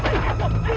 para seua mundur